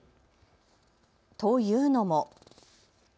というのも。